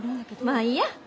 まあいいや。